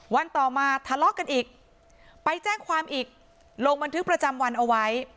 ต่อมาทะเลาะกันอีกไปแจ้งความอีกลงบันทึกประจำวันเอาไว้